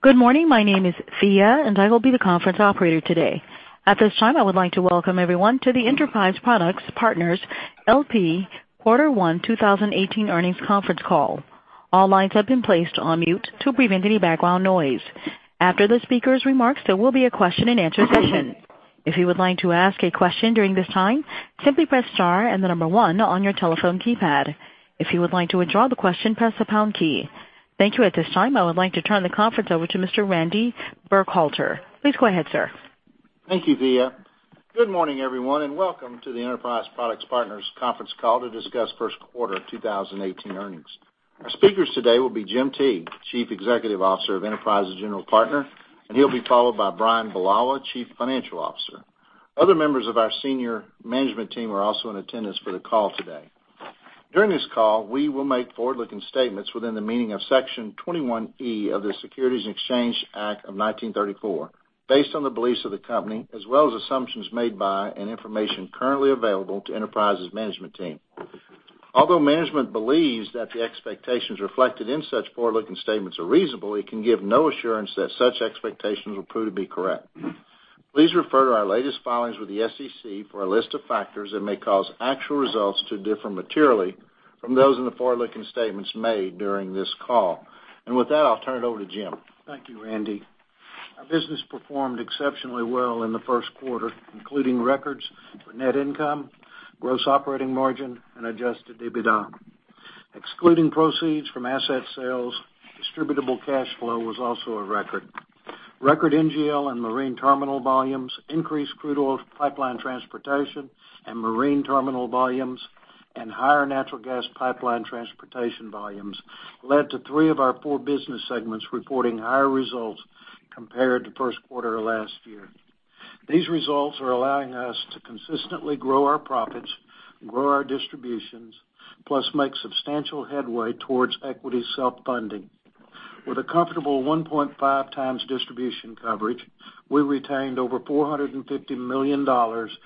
Good morning. My name is Thea, and I will be the conference operator today. At this time, I would like to welcome everyone to the Enterprise Products Partners L.P. Quarter One 2018 earnings conference call. All lines have been placed on mute to prevent any background noise. After the speaker's remarks, there will be a question and answer session. If you would like to ask a question during this time, simply press star and the number 1 on your telephone keypad. If you would like to withdraw the question, press the pound key. Thank you. At this time, I would like to turn the conference over to Mr. Randy Fowler. Please go ahead, sir. Thank you, Thea. Good morning, everyone, and welcome to the Enterprise Products Partners conference call to discuss first quarter 2018 earnings. Our speakers today will be Jim Teague, Chief Executive Officer of Enterprise's General Partner, and he'll be followed by Bryan Bulawa, Chief Financial Officer. Other members of our senior management team are also in attendance for the call today. During this call, we will make forward-looking statements within the meaning of Section 21E of the Securities Exchange Act of 1934, based on the beliefs of the company, as well as assumptions made by and information currently available to Enterprise's management team. Although management believes that the expectations reflected in such forward-looking statements are reasonable, it can give no assurance that such expectations will prove to be correct. Please refer to our latest filings with the SEC for a list of factors that may cause actual results to differ materially from those in the forward-looking statements made during this call. With that, I'll turn it over to Jim. Thank you, Randy. Our business performed exceptionally well in the first quarter, including records for net income, gross operating margin, and adjusted EBITDA. Excluding proceeds from asset sales, distributable cash flow was also a record. Record NGL and marine terminal volumes increased crude oil pipeline transportation and marine terminal volumes, and higher natural gas pipeline transportation volumes led to 3 of our 4 business segments reporting higher results compared to first quarter of last year. These results are allowing us to consistently grow our profits, grow our distributions, plus make substantial headway towards equity self-funding. With a comfortable 1.5 times distribution coverage, we retained over $450 million to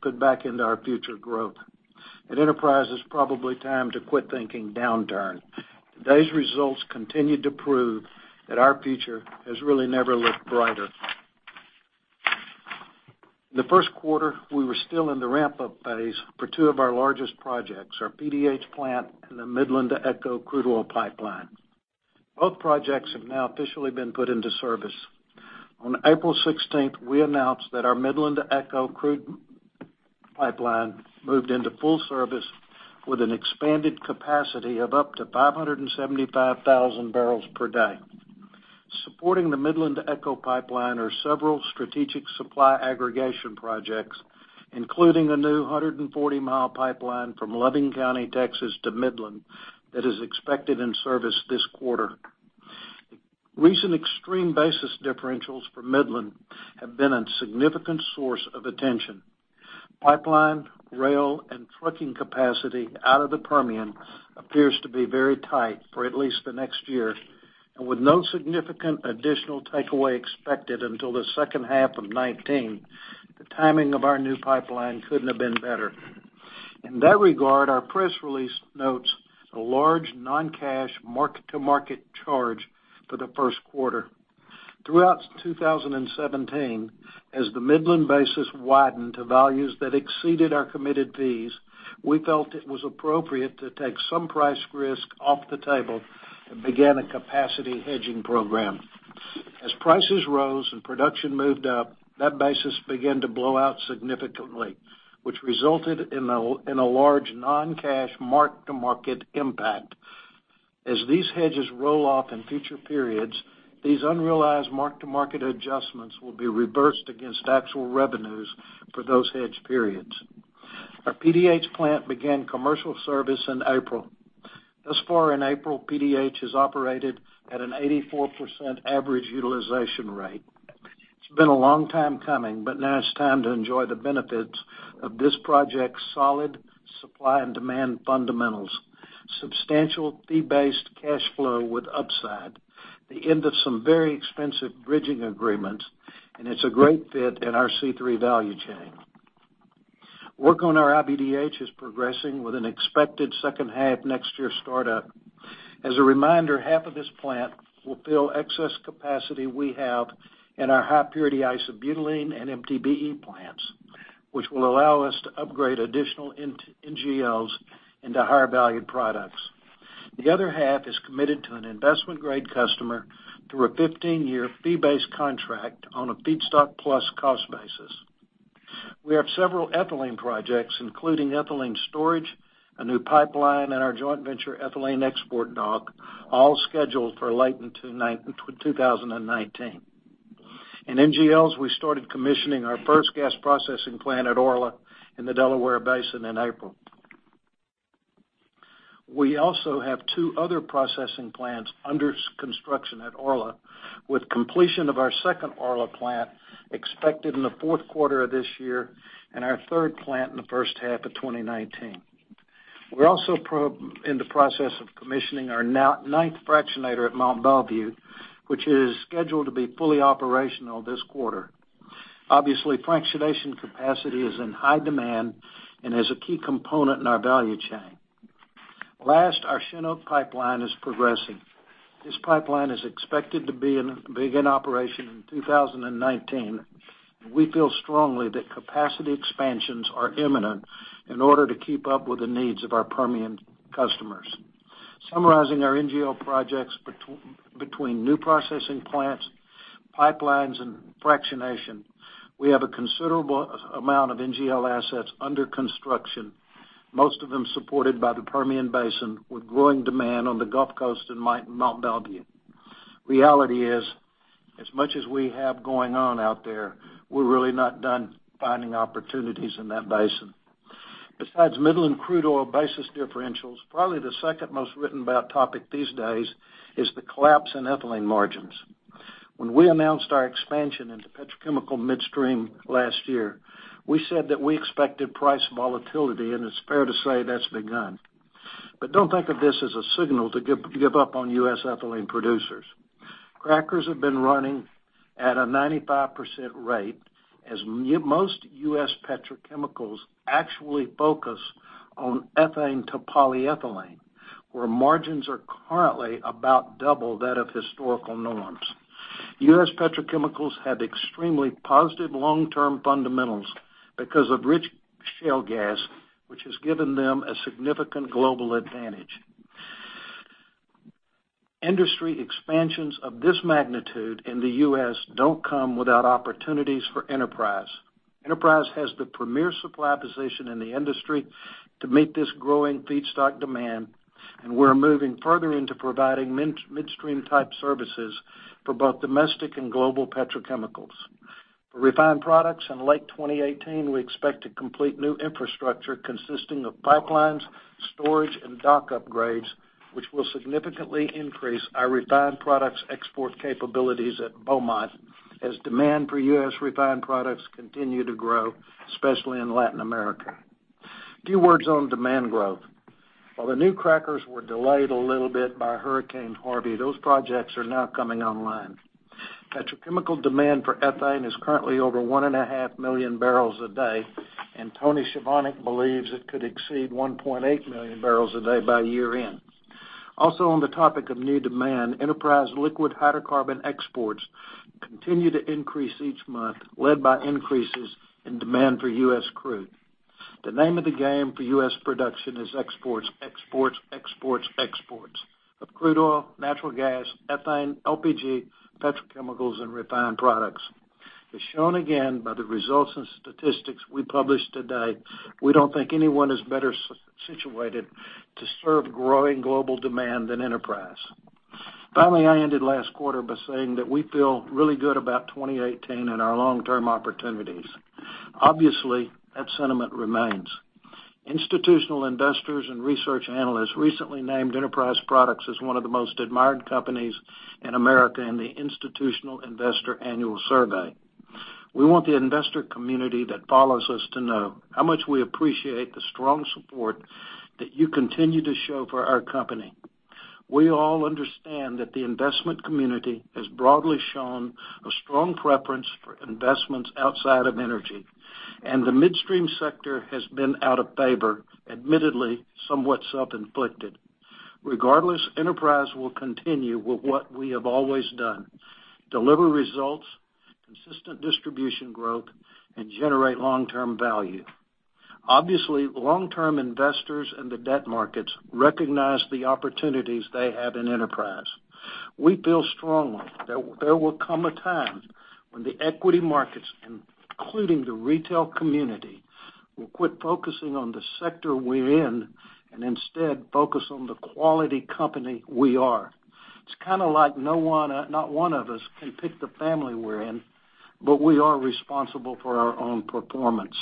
put back into our future growth. At Enterprise, it's probably time to quit thinking downturn. Today's results continue to prove that our future has really never looked brighter. In the first quarter, we were still in the ramp-up phase for two of our largest projects, our PDH plant and the Midland to ECHO crude oil pipeline. Both projects have now officially been put into service. On April 16th, we announced that our Midland to ECHO crude pipeline moved into full service with an expanded capacity of up to 575,000 barrels per day. Supporting the Midland to ECHO pipeline are several strategic supply aggregation projects, including a new 140-mile pipeline from Loving County, Texas to Midland that is expected in service this quarter. Recent extreme basis differentials for Midland have been a significant source of attention. Pipeline, rail, and trucking capacity out of the Permian appears to be very tight for at least the next year. With no significant additional takeaway expected until the second half of 2019, the timing of our new pipeline couldn't have been better. In that regard, our press release notes a large non-cash mark-to-market charge for the first quarter. Throughout 2017, as the Midland basis widened to values that exceeded our committed fees, we felt it was appropriate to take some price risk off the table and began a capacity hedging program. As prices rose and production moved up, that basis began to blow out significantly, which resulted in a large non-cash mark-to-market impact. As these hedges roll off in future periods, these unrealized mark-to-market adjustments will be reversed against actual revenues for those hedge periods. Our PDH plant began commercial service in April. Thus far in April, PDH has operated at an 84% average utilization rate. It's been a long time coming, now it's time to enjoy the benefits of this project's solid supply and demand fundamentals, substantial fee-based cash flow with upside, the end of some very expensive bridging agreements, and it's a great fit in our C3 value chain. Work on our iBDH is progressing with an expected second half next year startup. As a reminder, half of this plant will fill excess capacity we have in our high-purity isobutylene and MTBE plants, which will allow us to upgrade additional NGLs into higher valued products. The other half is committed to an investment-grade customer through a 15-year fee-based contract on a feedstock plus cost basis. We have several ethylene projects, including ethylene storage, a new pipeline, and our joint venture ethylene export dock, all scheduled for late in 2019. In NGLs, we started commissioning our first gas processing plant at Orla in the Delaware Basin in April. We also have two other processing plants under construction at Orla, with completion of our second Orla plant expected in the fourth quarter of this year and our third plant in the first half of 2019. We're also in the process of commissioning our ninth fractionator at Mont Belvieu, which is scheduled to be fully operational this quarter. Obviously, fractionation capacity is in high demand and is a key component in our value chain. Last, our Chinook Pipeline is progressing. This pipeline is expected to begin operation in 2019. We feel strongly that capacity expansions are imminent in order to keep up with the needs of our Permian customers. Summarizing our NGL projects between new processing plants, pipelines, and fractionation, we have a considerable amount of NGL assets under construction, most of them supported by the Permian Basin, with growing demand on the Gulf Coast and Mont Belvieu. Reality is, as much as we have going on out there, we're really not done finding opportunities in that basin. Besides Midland crude oil basis differentials, probably the second most written about topic these days is the collapse in ethylene margins. When we announced our expansion into petrochemical midstream last year, we said that we expected price volatility, and it's fair to say that's begun. Don't think of this as a signal to give up on U.S. ethylene producers. Crackers have been running at a 95% rate as most U.S. petrochemicals actually focus on ethane to polyethylene, where margins are currently about double that of historical norms. U.S. petrochemicals have extremely positive long-term fundamentals because of rich shale gas, which has given them a significant global advantage. Industry expansions of this magnitude in the U.S. don't come without opportunities for Enterprise. Enterprise has the premier supply position in the industry to meet this growing feedstock demand, and we're moving further into providing midstream-type services for both domestic and global petrochemicals. For refined products in late 2018, we expect to complete new infrastructure consisting of pipelines, storage, and dock upgrades, which will significantly increase our refined products export capabilities at Beaumont as demand for U.S. refined products continue to grow, especially in Latin America. A few words on demand growth. While the new crackers were delayed a little bit by Hurricane Harvey, those projects are now coming online. Petrochemical demand for ethane is currently over 1.5 million barrels a day, and Tony Chovanec believes it could exceed 1.8 million barrels a day by year-end. Also, on the topic of new demand, Enterprise liquid hydrocarbon exports continue to increase each month, led by increases in demand for U.S. crude. The name of the game for U.S. production is exports, exports of crude oil, natural gas, ethane, LPG, petrochemicals, and refined products. As shown again by the results and statistics we published today, we don't think anyone is better situated to serve growing global demand than Enterprise. Finally, I ended last quarter by saying that we feel really good about 2018 and our long-term opportunities. Obviously, that sentiment remains. Institutional investors and research analysts recently named Enterprise Products as one of the most admired companies in America in the Institutional Investor annual survey. We want the investor community that follows us to know how much we appreciate the strong support that you continue to show for our company. We all understand that the investment community has broadly shown a strong preference for investments outside of energy, and the midstream sector has been out of favor, admittedly, somewhat self-inflicted. Regardless, Enterprise will continue with what we have always done: deliver results, consistent distribution growth, and generate long-term value. Obviously, long-term investors in the debt markets recognize the opportunities they have in Enterprise. We feel strongly that there will come a time when the equity markets, including the retail community, will quit focusing on the sector we're in and instead focus on the quality company we are. It's kind of like not one of us can pick the family we're in, but we are responsible for our own performance.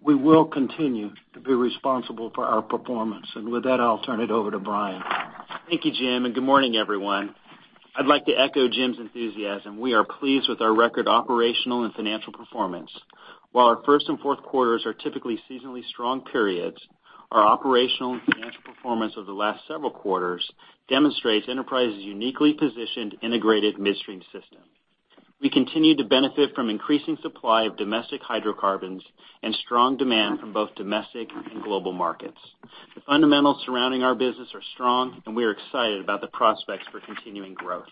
We will continue to be responsible for our performance. With that, I'll turn it over to Bryan. Thank you, Jim. Good morning, everyone. I'd like to echo Jim's enthusiasm. We are pleased with our record operational and financial performance. While our first and fourth quarters are typically seasonally strong periods, our operational and financial performance of the last several quarters demonstrates Enterprise's uniquely positioned integrated midstream system. We continue to benefit from increasing supply of domestic hydrocarbons and strong demand from both domestic and global markets. The fundamentals surrounding our business are strong. We are excited about the prospects for continuing growth.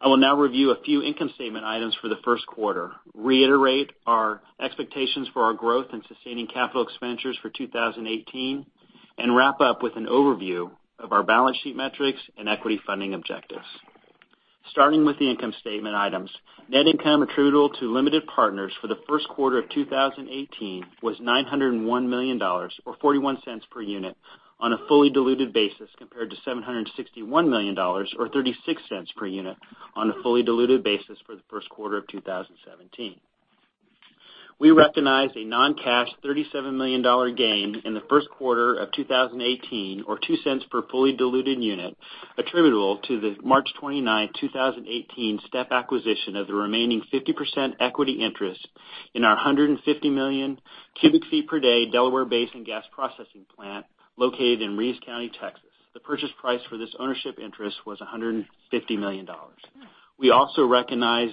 I will now review a few income statement items for the first quarter, reiterate our expectations for our growth and sustaining capital expenditures for 2018, and wrap up with an overview of our balance sheet metrics and equity funding objectives. Starting with the income statement items, net income attributable to limited partners for the first quarter of 2018 was $901 million, or $0.41 per unit on a fully diluted basis, compared to $761 million or $0.36 per unit on a fully diluted basis for the first quarter of 2017. We recognized a non-cash $37 million gain in the first quarter of 2018, or $0.02 per fully diluted unit, attributable to the March 29, 2018 step acquisition of the remaining 50% equity interest in our 150 million cubic feet per day Delaware Basin gas processing plant located in Reeves County, Texas. The purchase price for this ownership interest was $150 million. We also recognized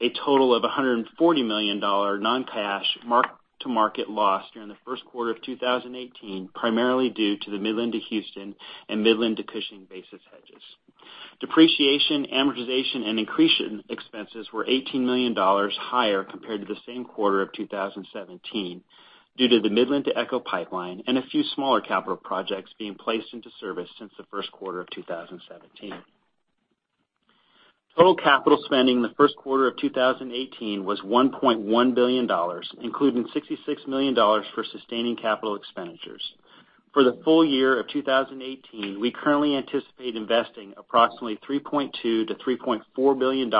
a total of $140 million non-cash mark-to-market loss during the first quarter of 2018, primarily due to the Midland to Houston and Midland to Cushing basis hedges. Depreciation, amortization, and accretion expenses were $18 million higher compared to the same quarter of 2017, due to the Midland to ECHO pipeline and a few smaller capital projects being placed into service since the first quarter of 2017. Total capital spending in the first quarter of 2018 was $1.1 billion, including $66 million for sustaining capital expenditures. For the full year of 2018, we currently anticipate investing approximately $3.2 billion-$3.4 billion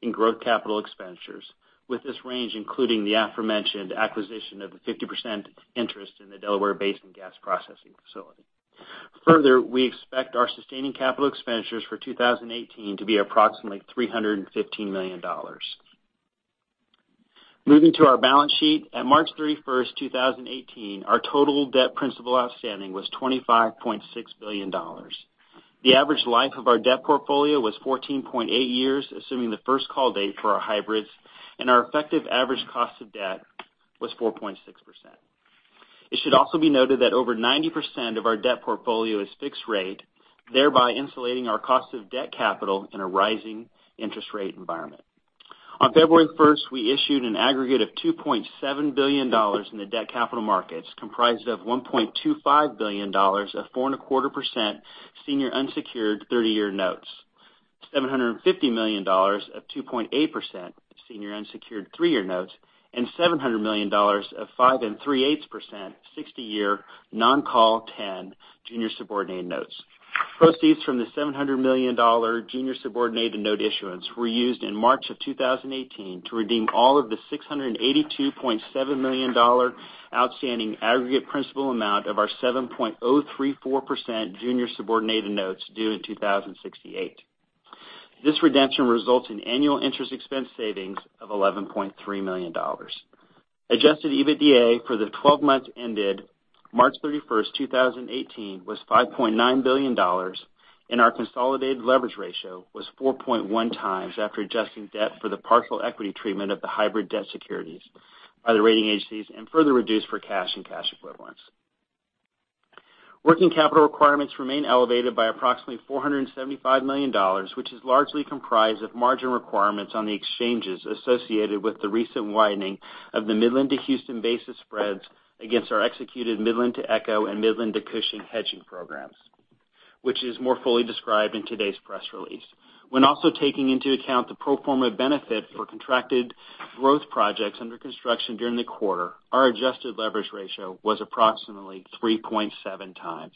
in growth capital expenditures, with this range including the aforementioned acquisition of a 50% interest in the Delaware Basin gas processing facility. Further, we expect our sustaining capital expenditures for 2018 to be approximately $315 million. Moving to our balance sheet. At March 31st, 2018, our total debt principal outstanding was $25.6 billion. The average life of our debt portfolio was 14.8 years, assuming the first call date for our hybrids, and our effective average cost of debt was 4.6%. It should also be noted that over 90% of our debt portfolio is fixed rate, thereby insulating our cost of debt capital in a rising interest rate environment. On February 1st, we issued an aggregate of $2.7 billion in the debt capital markets, comprised of $1.25 billion of 4.25% senior unsecured 30-year notes, $750 million of 2.8% senior unsecured three-year notes, and $700 million of 5.375% 60-year non-call 10 junior subordinate notes. Proceeds from the $700 million junior subordinated note issuance were used in March of 2018 to redeem all of the $682.7 million outstanding aggregate principal amount of our 7.034% junior subordinated notes due in 2068. This redemption results in annual interest expense savings of $11.3 million. Adjusted EBITDA for the 12 months ended March 31st, 2018, was $5.9 billion, and our consolidated leverage ratio was 4.1 times after adjusting debt for the partial equity treatment of the hybrid debt securities by the rating agencies and further reduced for cash and cash equivalents. Working capital requirements remain elevated by approximately $475 million, which is largely comprised of margin requirements on the exchanges associated with the recent widening of the Midland to Houston basis spreads against our executed Midland to ECHO and Midland to Cushing hedging programs, which is more fully described in today's press release. When also taking into account the pro forma benefit for contracted growth projects under construction during the quarter, our adjusted leverage ratio was approximately 3.7 times.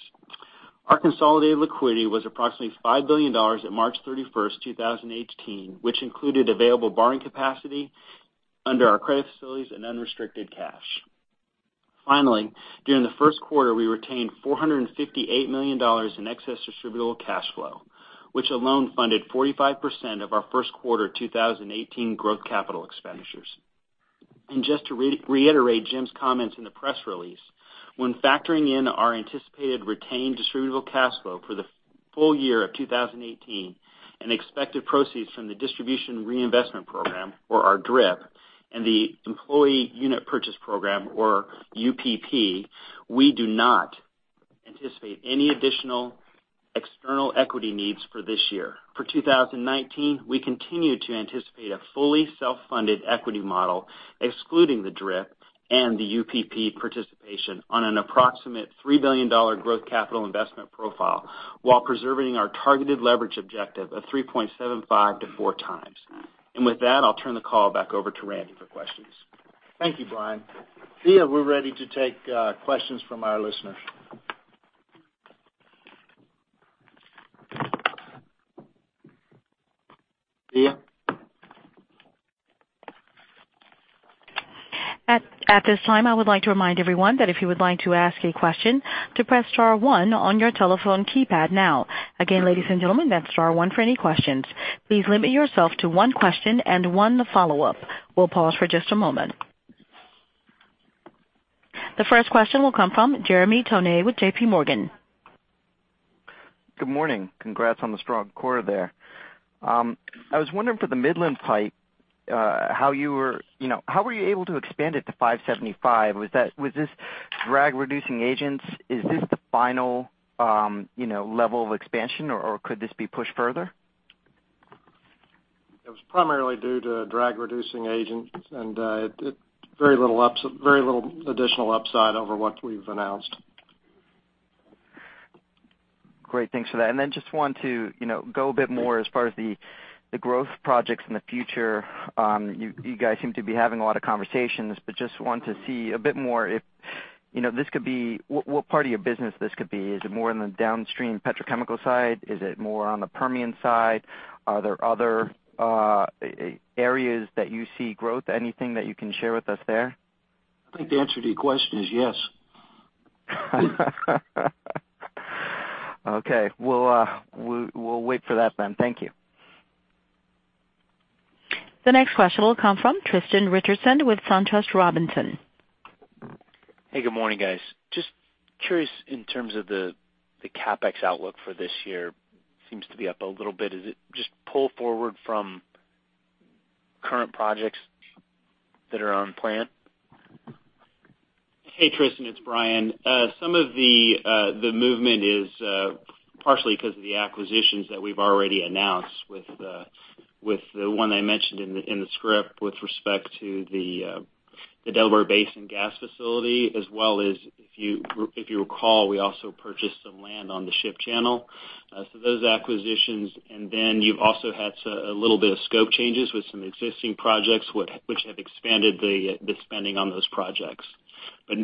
Our consolidated liquidity was approximately $5 billion at March 31st, 2018, which included available borrowing capacity under our credit facilities and unrestricted cash. Finally, during the first quarter, we retained $458 million in excess distributable cash flow, which alone funded 45% of our first quarter 2018 growth capital expenditures. Just to reiterate Jim's comments in the press release, when factoring in our anticipated retained distributable cash flow for the full year of 2018 and expected proceeds from the distribution reinvestment program, or our DRIP, and the employee unit purchase program, or UPP, we do not anticipate any additional external equity needs for this year. For 2019, we continue to anticipate a fully self-funded equity model, excluding the DRIP and the UPP participation on an approximate $3 billion growth capital investment profile while preserving our targeted leverage objective of 3.75 to four times. With that, I'll turn the call back over to Randy for questions. Thank you, Brian. Thea, we're ready to take questions from our listeners. Thea? At this time, I would like to remind everyone that if you would like to ask a question, to press star one on your telephone keypad now. Again, ladies and gentlemen, that's star one for any questions. Please limit yourself to one question and one follow-up. We'll pause for just a moment. The first question will come from Jeremy Tonet with JPMorgan. Good morning. Congrats on the strong quarter there. I was wondering for the Midland pipe, how were you able to expand it to 575? Was this Drag-Reducing Agents? Is this the final level of expansion, or could this be pushed further? It was primarily due to Drag-Reducing Agents. Very little additional upside over what we've announced. Great. Thanks for that. Just want to go a bit more as far as the growth projects in the future. You guys seem to be having a lot of conversations, but just want to see a bit more if what part of your business this could be. Is it more on the downstream petrochemical side? Is it more on the Permian side? Are there other areas that you see growth? Anything that you can share with us there? I think the answer to your question is yes. Okay. We'll wait for that then. Thank you. The next question will come from Tristan Richardson with SunTrust Robinson Humphrey. Hey, good morning, guys. Just curious in terms of the CapEx outlook for this year, seems to be up a little bit. Is it just pull forward from current projects that are on plan? Hey, Tristan, it's Brian. Some of the movement is partially because of the acquisitions that we've already announced with the one I mentioned in the script with respect to the Delaware Basin gas facility, as well as if you recall, we also purchased some land on the ship channel. Those acquisitions, you've also had a little bit of scope changes with some existing projects which have expanded the spending on those projects. Let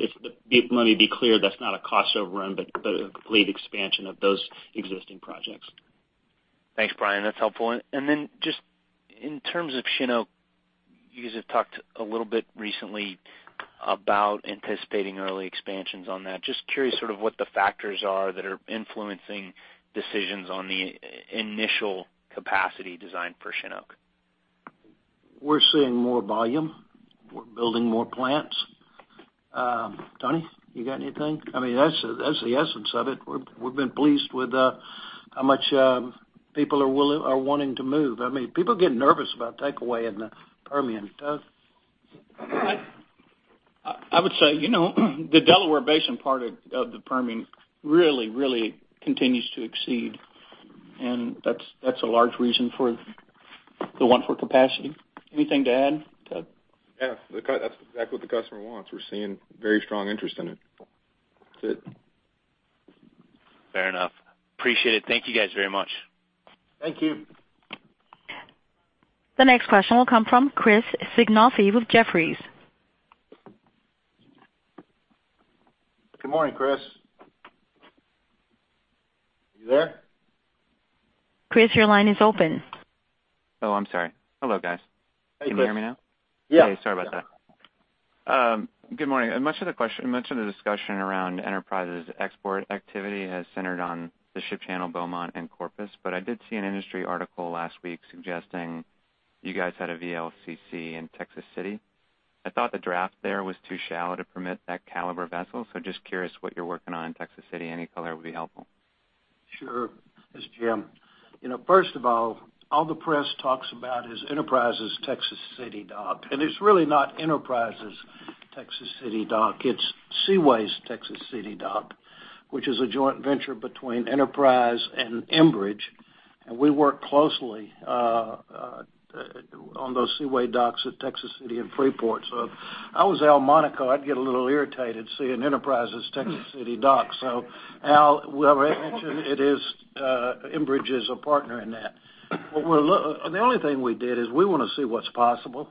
me be clear, that's not a cost overrun, but a complete expansion of those existing projects. Thanks, Brian. That's helpful. Just in terms of Chinook, you guys have talked a little bit recently about anticipating early expansions on that. Just curious sort of what the factors are that are influencing decisions on the initial capacity design for Chinook. We're seeing more volume. We're building more plants. Tony, you got anything? That's the essence of it. We've been pleased with how much people are wanting to move. People are getting nervous about takeaway in the Permian. Doug? I would say, the Delaware Basin part of the Permian really continues to exceed, and that's a large reason for the want for capacity. Anything to add, Doug? Yeah. That's exactly what the customer wants. We're seeing very strong interest in it. That's it. Fair enough. Appreciate it. Thank you guys very much. Thank you. The next question will come from Chris Sighinolfi with Jefferies. Good morning, Chris. You there? Chris, your line is open. Oh, I'm sorry. Hello, guys. Hey, Chris. Can you hear me now? Yeah. Okay. Sorry about that. Good morning. Much of the discussion around Enterprise's export activity has centered on the Ship Channel Beaumont and Corpus, but I did see an industry article last week suggesting you guys had a VLCC in Texas City. I thought the draft there was too shallow to permit that caliber vessel, so just curious what you're working on in Texas City. Any color would be helpful. Sure. It's Jim. First of all the press talks about is Enterprise's Texas City dock, and it's really not Enterprise's Texas City dock. It's Seaway's Texas City dock, which is a joint venture between Enterprise and Enbridge, and we work closely on those Seaway docks at Texas City and Freeport. If I was Al Monaco, I'd get a little irritated seeing Enterprise's Texas City dock. Al, whoever I mentioned, Enbridge is a partner in that. The only thing we did is we want to see what's possible.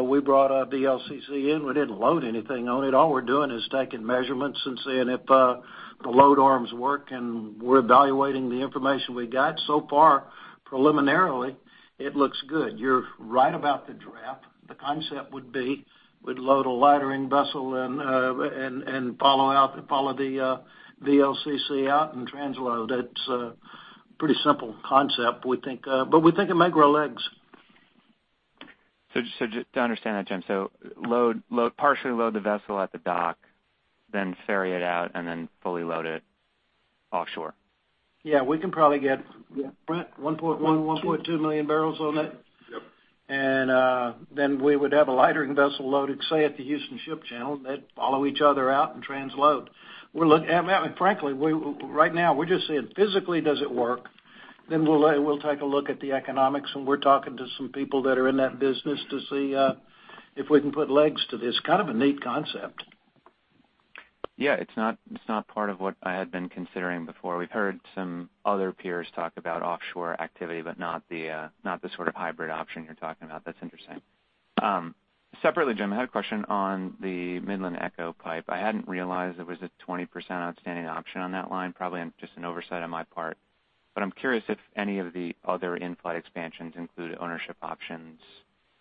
We brought a VLCC in. We didn't load anything on it. All we're doing is taking measurements and seeing if the load arms work, and we're evaluating the information we got. Far, preliminarily, it looks good. You're right about the draft. The concept would be we'd load a lightering vessel and follow the VLCC out and transload. It's a pretty simple concept, but we think it might grow legs. Just to understand that, Jim, partially load the vessel at the dock, then ferry it out, and then fully load it offshore. Yeah, we can probably get Brent? 1.1.2 million barrels on that. Yep. Then we would have a lightering vessel loaded, say, at the Houston Ship Channel. They'd follow each other out and transload. Frankly, right now, we're just seeing physically does it work, then we'll take a look at the economics, and we're talking to some people that are in that business to see if we can put legs to this. Kind of a neat concept. Yeah, it's not part of what I had been considering before. We've heard some other peers talk about offshore activity, but not the sort of hybrid option you're talking about. That's interesting. Separately, Jim, I had a question on the Midland to ECHO pipe. I hadn't realized there was a 20% outstanding option on that line. Probably just an oversight on my part, but I'm curious if any of the other in-flight expansions included ownership options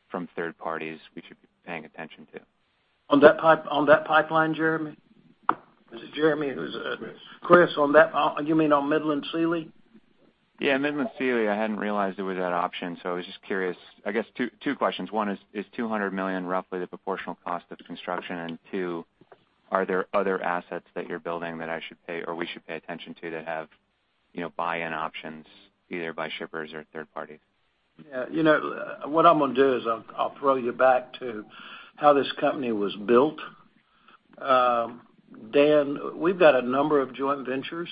from third parties we should be paying attention to. On that pipeline, Jeremy? Is it Jeremy who's It's Chris. Chris, you mean on Midland-Sealy? Yeah, Midland-Sealy. I hadn't realized there was that option, so I was just curious. I guess two questions. One is $200 million roughly the proportional cost of construction? Two, are there other assets that you're building that I should pay or we should pay attention to that have buy-in options, either by shippers or third parties? Yeah. What I'm going to do is I'll throw you back to how this company was built. Dan, we've got a number of joint ventures,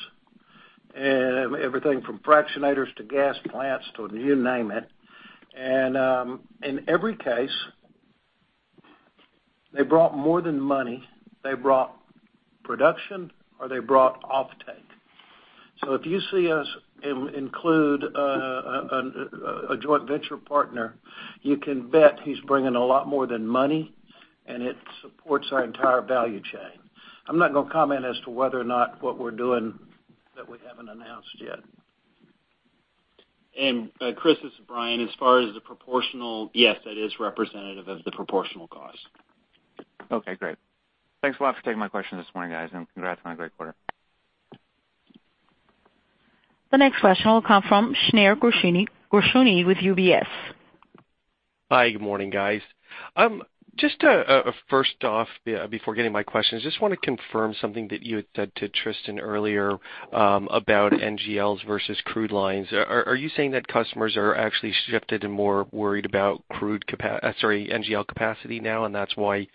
everything from fractionators to gas plants to you name it. In every case, they brought more than money. They brought production, or they brought offtake. If you see us include a joint venture partner, you can bet he's bringing a lot more than money, and it supports our entire value chain. I'm not going to comment as to whether or not what we're doing that we haven't announced yet Chris, this is Brian. As far as the proportional, yes, that is representative of the proportional cost. Okay, great. Thanks a lot for taking my questions this morning, guys, and congrats on a great quarter. The next question will come from Shneur Gershuni with UBS. Hi. Good morning, guys. First off, before getting my questions, want to confirm something that you had said to Tristan earlier about NGLs versus crude lines. Are you saying that customers are actually shifted and more worried about NGL capacity now, and that's why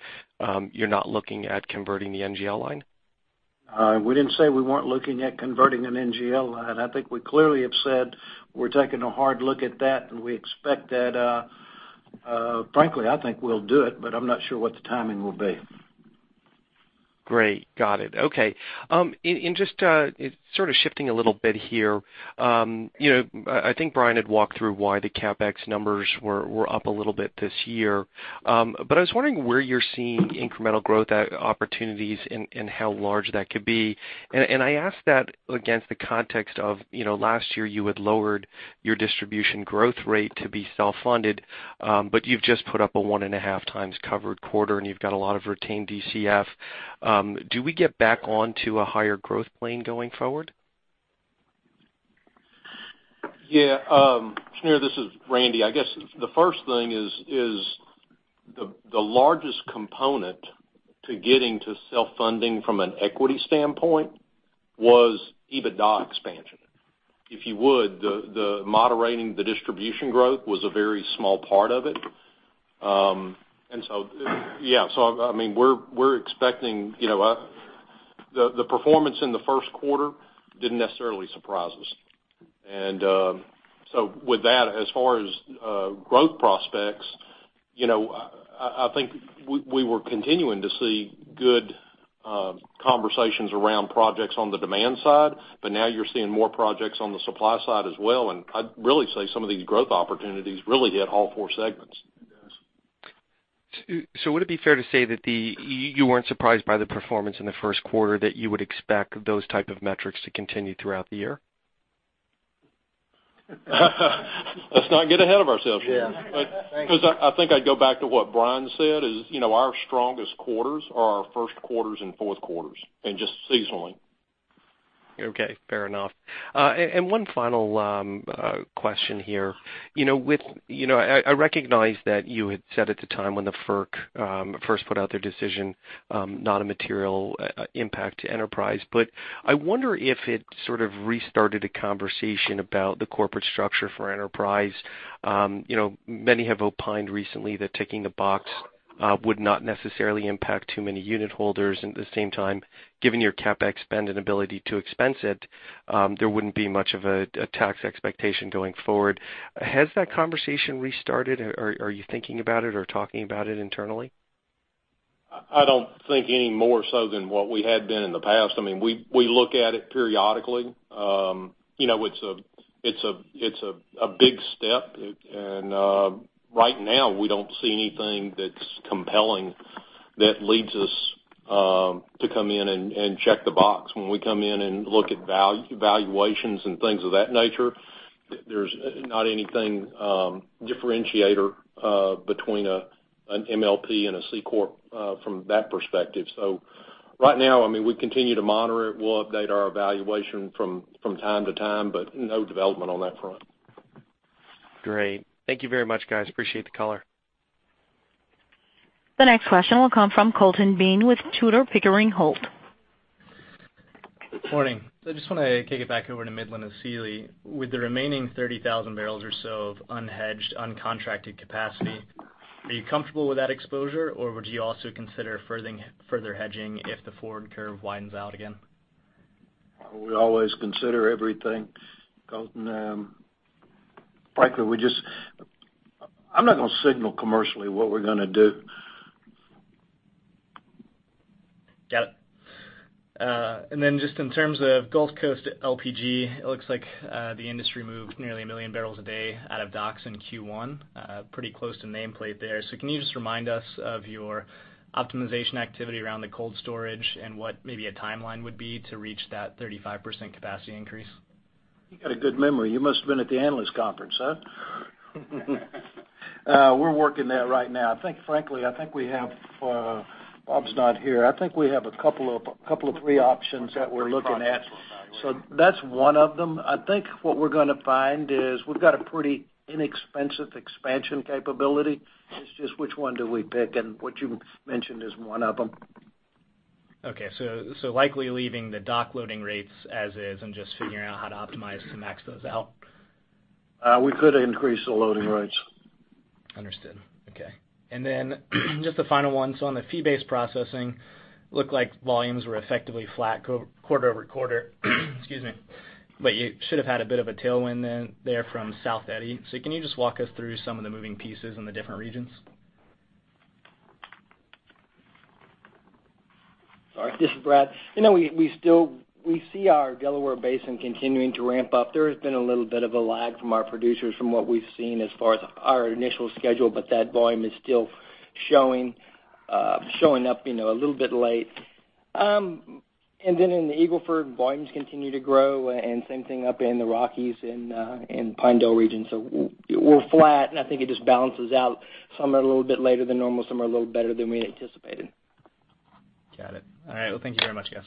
you're not looking at converting the NGL line? We didn't say we weren't looking at converting an NGL line. I think we clearly have said we're taking a hard look at that, and we expect that frankly, I think we'll do it, but I'm not sure what the timing will be. Great. Got it. Okay. Sort of shifting a little bit here. I think Brian had walked through why the CapEx numbers were up a little bit this year. I was wondering where you're seeing incremental growth opportunities and how large that could be. I ask that against the context of last year, you had lowered your distribution growth rate to be self-funded, but you've just put up a one and a half times covered quarter, and you've got a lot of retained DCF. Do we get back onto a higher growth plane going forward? Yeah. Shneur, this is Randy. I guess the first thing is the largest component to getting to self-funding from an equity standpoint was EBITDA expansion. If you would, the moderating the distribution growth was a very small part of it. Yeah. We're expecting the performance in the first quarter didn't necessarily surprise us. With that, as far as growth prospects, I think we were continuing to see good conversations around projects on the demand side, but now you're seeing more projects on the supply side as well. I'd really say some of these growth opportunities really hit all four segments. Would it be fair to say that you weren't surprised by the performance in the first quarter, that you would expect those type of metrics to continue throughout the year? Let's not get ahead of ourselves. Yeah. Thanks. I think I'd go back to what Bryan said is, our strongest quarters are our first quarters and fourth quarters, and just seasonally. Okay, fair enough. One final question here. I recognize that you had said at the time when the FERC first put out their decision, not a material impact to Enterprise, I wonder if it sort of restarted a conversation about the corporate structure for Enterprise. Many have opined recently that ticking a box would not necessarily impact too many unit holders. At the same time, given your CapEx spend and ability to expense it, there wouldn't be much of a tax expectation going forward. Has that conversation restarted, or are you thinking about it or talking about it internally? I don't think any more so than what we had been in the past. We look at it periodically. It's a big step. Right now, we don't see anything that's compelling that leads us to come in and check the box. When we come in and look at valuations and things of that nature, there's not anything differentiator between an MLP and a C corp from that perspective. Right now, we continue to monitor it. We'll update our evaluation from time to time, but no development on that front. Great. Thank you very much, guys. Appreciate the call. The next question will come from Colton Bean with Tudor, Pickering Holt. Morning. I just want to kick it back over to Midland to Sealy. With the remaining 30,000 barrels or so of unhedged, uncontracted capacity, are you comfortable with that exposure, or would you also consider further hedging if the forward curve widens out again? We always consider everything, Colton. Frankly, I'm not going to signal commercially what we're going to do. Got it. Just in terms of Gulf Coast LPG, it looks like the industry moved nearly 1 million barrels a day out of docks in Q1. Pretty close to nameplate there. Can you just remind us of your optimization activity around the cold storage and what maybe a timeline would be to reach that 35% capacity increase? You got a good memory. You must've been at the analyst conference, huh? We're working that right now. Bob's not here. I think we have a couple of three options that we're looking at. That's one of them. I think what we're going to find is we've got a pretty inexpensive expansion capability. It's just which one do we pick, and what you mentioned is one of them. Okay. likely leaving the dock loading rates as is and just figuring out how to optimize to max those out. We could increase the loading rates. Understood. Okay. Just a final one. On the fee-based processing, looked like volumes were effectively flat quarter-over-quarter. Excuse me. You should have had a bit of a tailwind there from South Eddy. Can you just walk us through some of the moving pieces in the different regions? Sorry, this is Brad. We see our Delaware Basin continuing to ramp up. There has been a little bit of a lag from our producers from what we've seen as far as our initial schedule, that volume is still showing up a little bit late. In the Eagle Ford, volumes continue to grow, and same thing up in the Rockies and Pinedale regions. We're flat, and I think it just balances out. Some are a little bit later than normal, some are a little better than we anticipated. Got it. All right. Thank you very much, guys.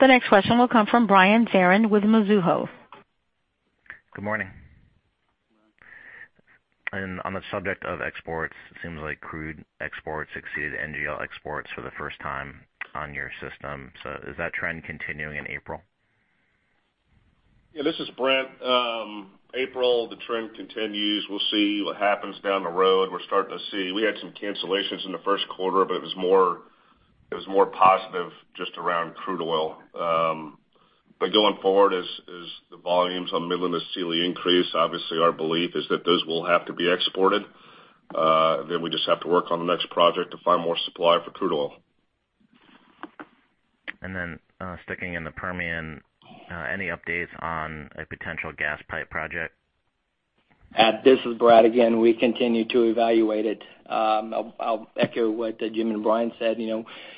The next question will come from Brian Zarri with Mizuho. Good morning. On the subject of exports, it seems like crude exports exceeded NGL exports for the first time on your system. Is that trend continuing in April? Yeah, this is Brent. April, the trend continues. We'll see what happens down the road. We had some cancellations in the first quarter, but it was more positive just around crude oil. Going forward, as the volumes on Midland to Sealy increase, obviously, our belief is that those will have to be exported. We just have to work on the next project to find more supply for crude oil. Sticking in the Permian, any updates on a potential gas pipe project? This is Brad again. We continue to evaluate it. I'll echo what Jim and Brian said.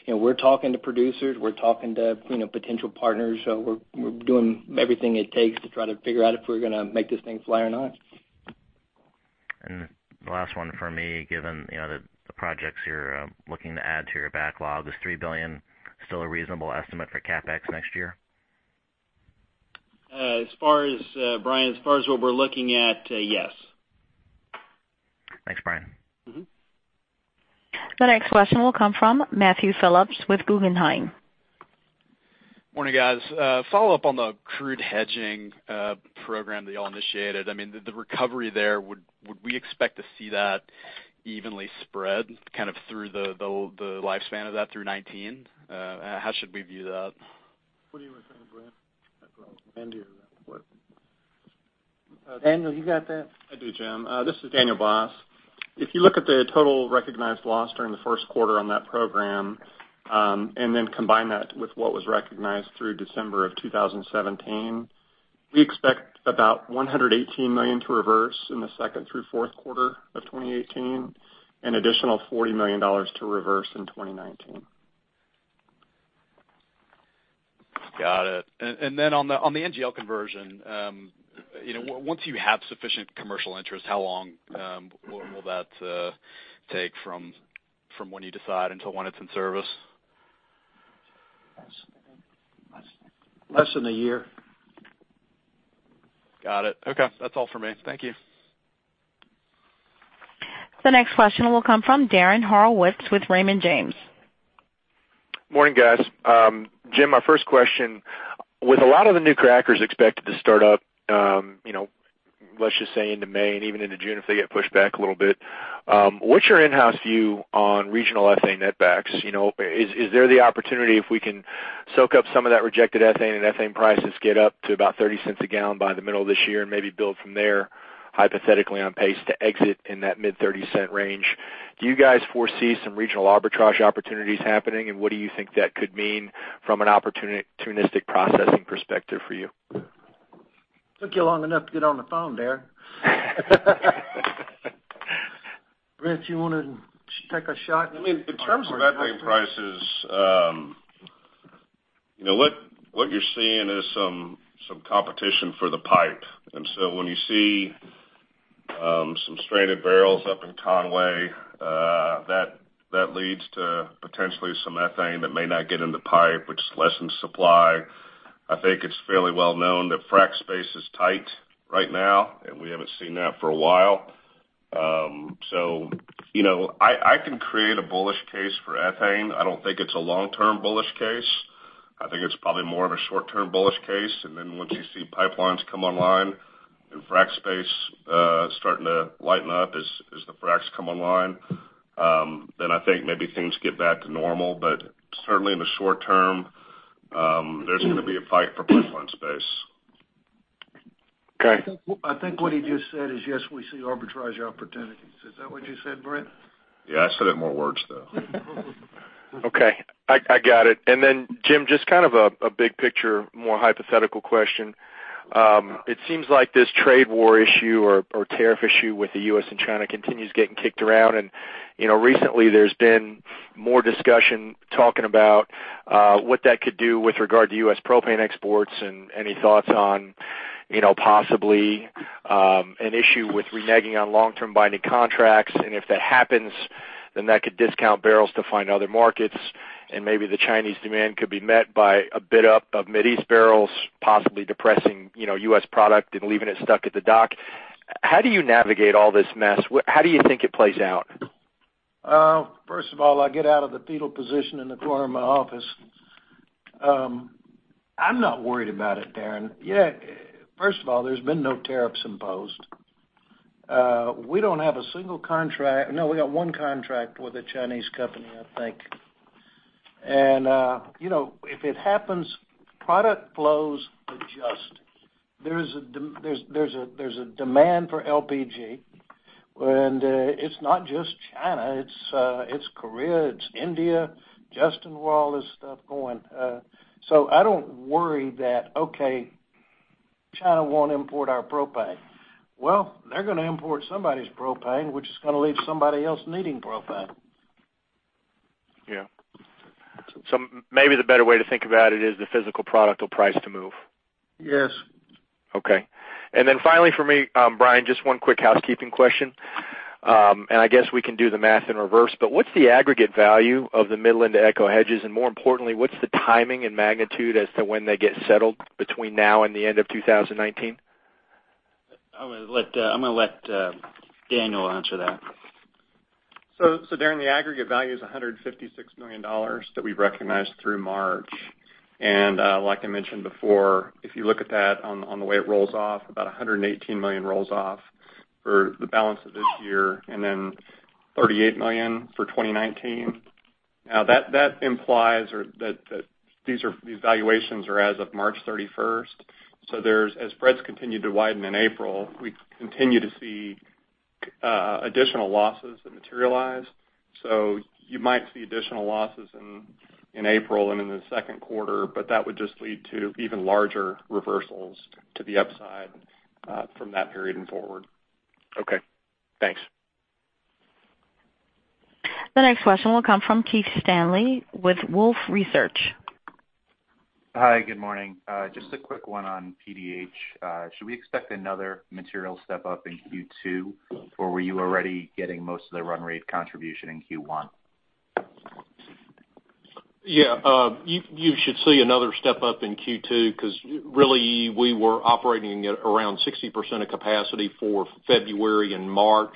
We're talking to producers, we're talking to potential partners. We're doing everything it takes to try to figure out if we're going to make this thing fly or not. The last one from me, given the projects you're looking to add to your backlog. Is $3 billion still a reasonable estimate for CapEx next year? Brian, as far as what we're looking at, yes. Thanks, Brian. The next question will come from Matthew Phillips with Guggenheim. Morning, guys. Follow-up on the crude hedging program that you all initiated. The recovery there, would we expect to see that evenly spread kind of through the lifespan of that through 2019? How should we view that? What are you referring to, Brent? I don't know. Daniel. What? Daniel, you got that? I do, Jim. This is Daniel Boss. If you look at the total recognized loss during the first quarter on that program, combine that with what was recognized through December of 2017, we expect about $118 million to reverse in the second through fourth quarter of 2018, an additional $40 million to reverse in 2019. On the NGL conversion, once you have sufficient commercial interest, how long will that take from when you decide until when it's in service? Less than a year. Got it. Okay. That's all for me. Thank you. The next question will come from Dennis Harwood with Raymond James. Morning, guys. Jim, my first question, with a lot of the new crackers expected to start up, let's just say into May and even into June if they get pushed back a little bit, what's your in-house view on regional ethane netbacks? Is there the opportunity if we can soak up some of that rejected ethane, and ethane prices get up to about $0.30 a gallon by the middle of this year and maybe build from there hypothetically on pace to exit in that mid $0.30 range? Do you guys foresee some regional arbitrage opportunities happening, and what do you think that could mean from an opportunistic processing perspective for you? Took you long enough to get on the phone, Dennis. Brent, you want to take a shot? In terms of ethane prices, what you're seeing is some competition for the pipe. When you see some stranded barrels up in Conway, that leads to potentially some ethane that may not get in the pipe, which lessens supply. I think it's fairly well known that frack space is tight right now, and we haven't seen that for a while. I can create a bullish case for ethane. I don't think it's a long-term bullish case. I think it's probably more of a short-term bullish case. Once you see pipelines come online and frack space starting to lighten up as the fracks come online, then I think maybe things get back to normal. Certainly in the short term, there's going to be a fight for pipeline space. Okay. I think what he just said is, yes, we see arbitrage opportunities. Is that what you said, Brent? Yeah, I said it in more words, though. Okay, I got it. Jim, just kind of a big picture, more hypothetical question. It seems like this trade war issue or tariff issue with the U.S. and China continues getting kicked around. Recently there's been more discussion talking about what that could do with regard to U.S. propane exports and any thoughts on possibly an issue with reneging on long-term binding contracts. If that happens, that could discount barrels to find other markets, and maybe the Chinese demand could be met by a bit up of Mid East barrels, possibly depressing U.S. product and leaving it stuck at the dock. How do you navigate all this mess? How do you think it plays out? First of all, I get out of the fetal position in the corner of my office. I'm not worried about it, Dennis. First of all, there's been no tariffs imposed. We got one contract with a Chinese company, I think. If it happens, product flows adjust. There's a demand for LPG. It's not just China, it's Korea, it's India adjusting while all this stuff going. I don't worry that, okay China won't import our propane. They're going to import somebody's propane, which is going to leave somebody else needing propane. Yeah. Maybe the better way to think about it is the physical product will price to move. Yes. Okay. Finally for me, Bryan, just one quick housekeeping question. I guess we can do the math in reverse, but what's the aggregate value of the Midland to ECHO hedges? More importantly, what's the timing and magnitude as to when they get settled between now and the end of 2019? I'm going to let Daniel answer that. Dennis, the aggregate value is $156 million that we recognized through March. Like I mentioned before, if you look at that on the way it rolls off, about $118 million rolls off for the balance of this year, $38 million for 2019. That implies or that these valuations are as of March 31st. As spreads continued to widen in April, we continue to see additional losses that materialize. You might see additional losses in April and in the second quarter, but that would just lead to even larger reversals to the upside from that period and forward. Okay, thanks. The next question will come from Keith Stanley with Wolfe Research. Hi, good morning. Just a quick one on PDH. Should we expect another material step up in Q2, or were you already getting most of the run rate contribution in Q1? Yeah. You should see another step up in Q2 because really we were operating at around 60% of capacity for February and March,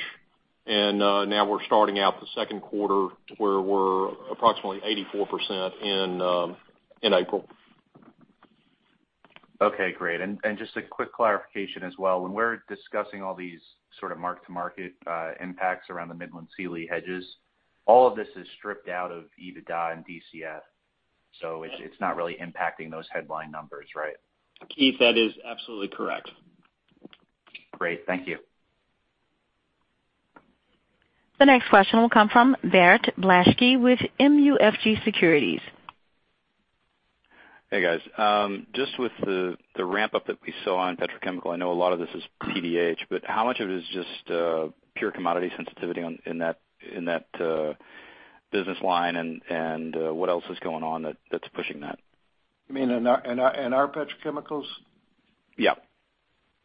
and now we're starting out the second quarter where we're approximately 84% in April. Okay, great. Just a quick clarification as well. When we're discussing all these sort of mark-to-market impacts around the Midland-Sealy hedges, all of this is stripped out of EBITDA and DCF. It's not really impacting those headline numbers, right? Keith, that is absolutely correct. Great. Thank you. The next question will come from Bart Blaskie with MUFG Securities. Hey, guys. Just with the ramp up that we saw on petrochemical, I know a lot of this is PDH, but how much of it is just pure commodity sensitivity in that business line, and what else is going on that's pushing that? You mean in our petrochemicals? Yeah.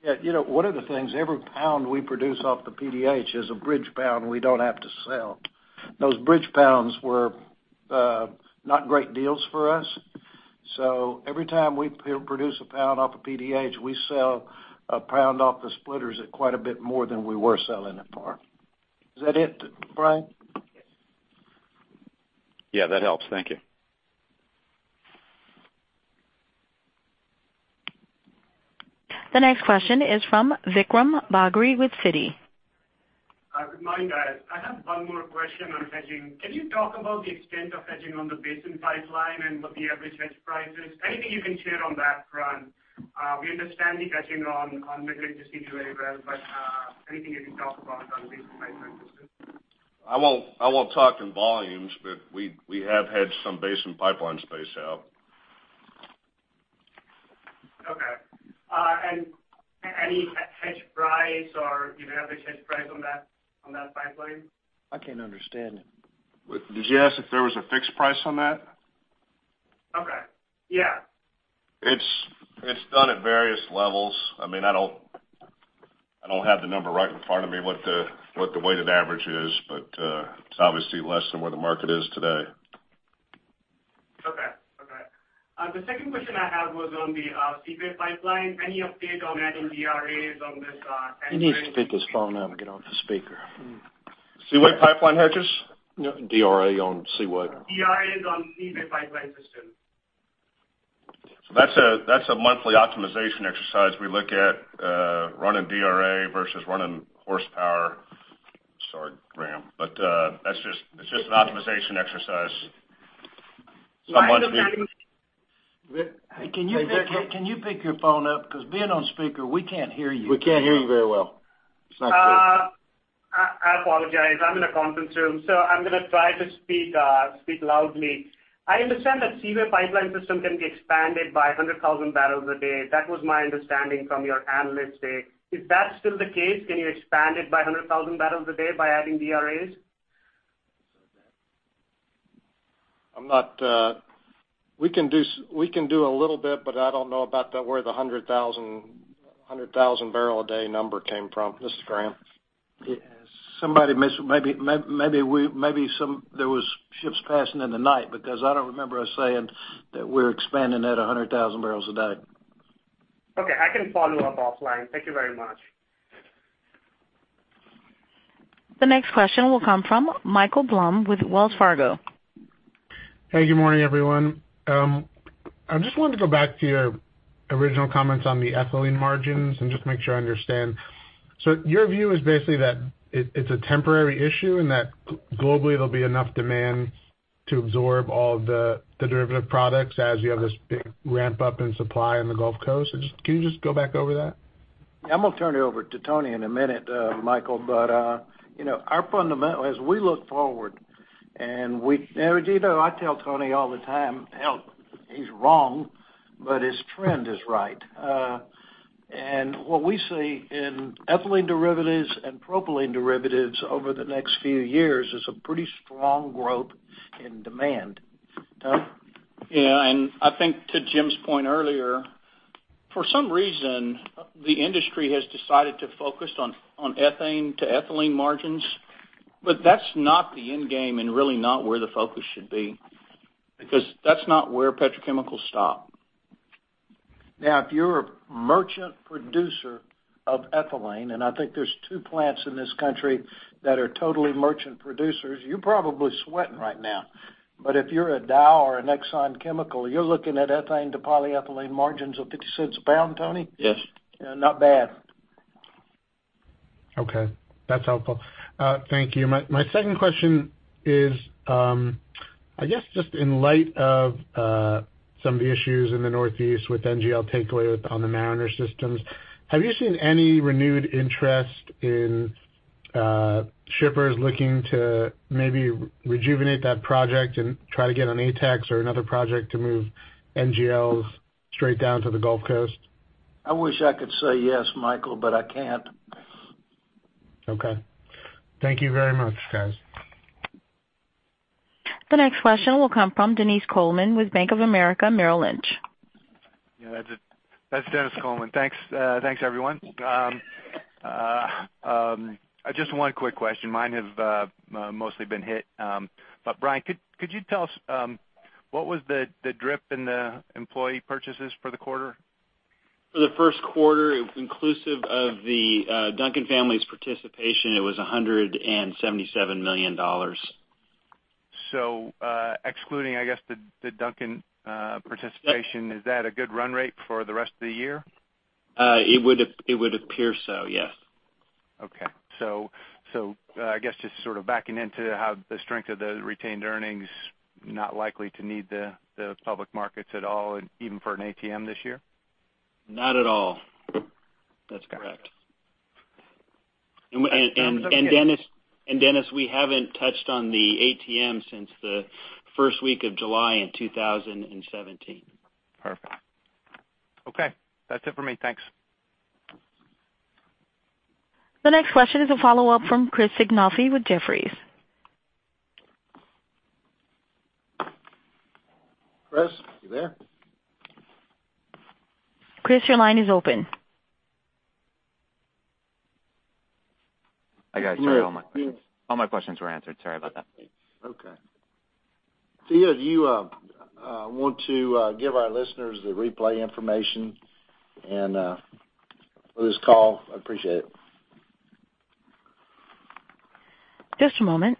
One of the things, every pound we produce off the PDH is a bridge pound we don't have to sell. Those bridge pounds were not great deals for us. Every time we produce a pound off of PDH, we sell a pound off the splitters at quite a bit more than we were selling it for. Is that it, Bryan? Yes. Yeah, that helps. Thank you. The next question is from Vikram Bagri with Citigroup. Hi. Good morning, guys. I have one more question on hedging. Can you talk about the extent of hedging on the basin pipeline and what the average hedge price is? Anything you can share on that front. We understand the hedging on midstream very well, but anything you can talk about on basin pipe hedges? I won't talk in volumes, but we have hedged some basin pipeline space out. Okay. Any hedge price or the average hedge price on that pipeline? I can't understand him. Did you ask if there was a fixed price on that? Okay. Yeah. It's done at various levels. I don't have the number right in front of me what the weighted average is, but it's obviously less than where the market is today. Okay. The second question I had was on the Seaway Pipeline. Any update on adding DRAs on this end He needs to pick his phone up and get off the speaker. Seaway Pipeline hedges? DRA on Seaway. DRAs on Seaway Pipeline system. That's a monthly optimization exercise. We look at running DRA versus running horsepower. Sorry, Graham. It's just an optimization exercise. I understand- Can you pick your phone up? Being on speaker, we can't hear you. We can't hear you very well. It's not clear. I apologize. I'm in a conference room, I'm going to try to speak loudly. I understand that Seaway Pipeline system can be expanded by 100,000 barrels a day. That was my understanding from your Analyst Day. Is that still the case? Can you expand it by 100,000 barrels a day by adding DRAs? We can do a little bit, but I don't know about where the 100,000 barrel a day number came from. This is Graham. Yes. Maybe there was ships passing in the night because I don't remember us saying that we're expanding at 100,000 barrels a day. Okay. I can follow up offline. Thank you very much. The next question will come from Michael Blum with Wells Fargo. Good morning, everyone. I just wanted to go back to your original comments on the ethylene margins and just make sure I understand. Your view is basically that it's a temporary issue and that globally there'll be enough demand to absorb all the derivative products as you have this big ramp up in supply in the Gulf Coast? Can you just go back over that? I'm going to turn it over to Tony in a minute, Michael. Our fundamental, as we look forward, and I tell Tony all the time, "Hell, he's wrong, but his trend is right." What we see in ethylene derivatives and propylene derivatives over the next few years is a pretty strong growth in demand. Tony? Yeah. I think to Jim's point earlier, for some reason, the industry has decided to focus on ethane to ethylene margins. That's not the end game and really not where the focus should be, because that's not where petrochemicals stop. Now, if you're a merchant producer of ethylene, and I think there's two plants in this country that are totally merchant producers, you're probably sweating right now. If you're a Dow or an Exxon Chemical, you're looking at ethane to polyethylene margins of $0.50 a pound, Tony? Yes. Not bad. Okay. That's helpful. Thank you. My second question is, I guess, just in light of some of the issues in the Northeast with NGL takeaway on the Mariner systems, have you seen any renewed interest in shippers looking to maybe rejuvenate that project and try to get an ATEX or another project to move NGLs straight down to the Gulf Coast? I wish I could say yes, Michael, but I can't. Okay. Thank you very much, guys. The next question will come from Dennis Coleman with Bank of America Merrill Lynch. Yeah, that's Dennis Coleman. Thanks, everyone. Just one quick question. Mine have mostly been hit. Bryan, could you tell us what was the DRIP in the employee purchases for the quarter? For the first quarter, inclusive of the Duncan family's participation, it was $177 million. Excluding, I guess, the Duncan participation. Yep. -is that a good run rate for the rest of the year? It would appear so, yes. Okay. I guess just sort of backing into how the strength of the retained earnings, not likely to need the public markets at all, even for an ATM this year? Not at all. That's correct. Got it. Dennis, we haven't touched on the ATM since the first week of July in 2017. Perfect. Okay. That's it for me. Thanks. The next question is a follow-up from Christopher Sighinolfi with Jefferies. Chris, you there? Chris, your line is open. I got it. Sorry. All my questions were answered. Sorry about that. Okay. Thea, do you want to give our listeners the replay information for this call? I'd appreciate it. Just a moment.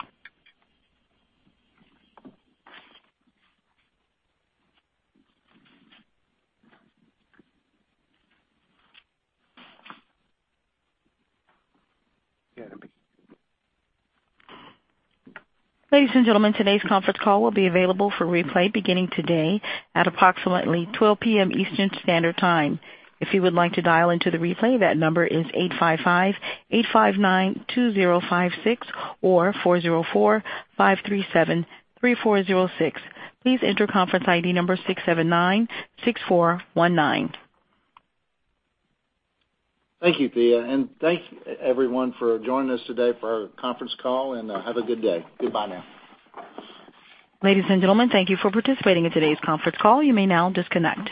Yeah, that'd be Ladies and gentlemen, today's conference call will be available for replay beginning today at approximately 12:00 P.M. Eastern Standard Time. If you would like to dial into the replay, that number is 855-859-2056 or 404-537-3406. Please enter conference ID number 6796419. Thank you, Thea. Thank you, everyone, for joining us today for our conference call, and have a good day. Goodbye now. Ladies and gentlemen, thank you for participating in today's conference call. You may now disconnect.